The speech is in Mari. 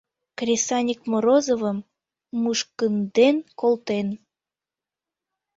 Кресаньык Морозовым мушкынден колтен.